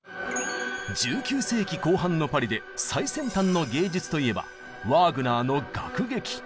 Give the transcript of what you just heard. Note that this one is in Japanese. １９世紀後半のパリで最先端の芸術といえばワーグナーの「楽劇」。